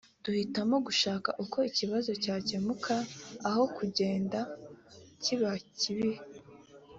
duhitamo gushaka uko ikibazo cyakemuka aho kugenda kiba kibi